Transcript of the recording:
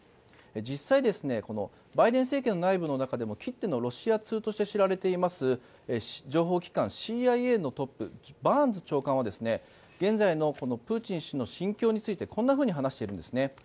実際、バイデン政権の内部の中でもきってのロシア通として知られています情報機関ＣＩＡのトップバーンズ長官は現在のプーチン氏の心境についてこんなふうに話しています。